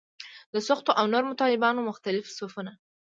د سختو او نرمو طالبانو مختلف صفونه.